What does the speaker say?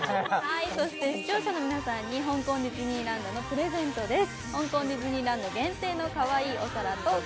視聴者の皆さんに香港ディズニーランドのプレゼントです。